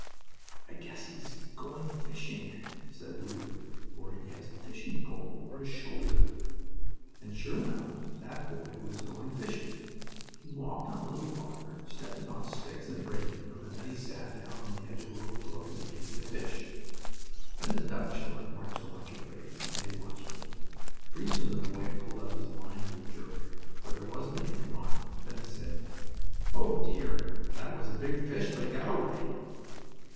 "I guess he's going fishing," said Lulu, "for he has a fish pole over his shoulder." And, sure enough, that boy was going fishing! He walked on a little farther, stepping on sticks and breaking them, and then he sat down on the edge of the little brook and began to fish. Then the duck children weren't so much afraid, and they watched him. Pretty soon the boy pulled up his line with a jerk, but there wasn't anything on it. Then he said: "Oh, dear! That was a big fish, but he got away."